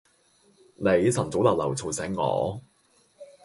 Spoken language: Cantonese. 你晨早流流嘈醒我